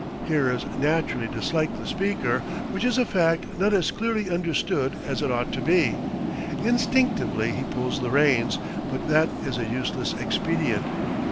Hearers naturally dislike the speaker, which is a fact not as clearly understood as it ought to be. Instinctively he pulls the reins, but that is a useless expedient.